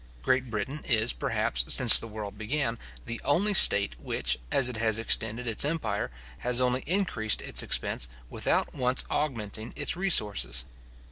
Great Britain is, perhaps, since the world began, the only state which, as it has extended its empire, has only increased its expense, without once augmenting its resources.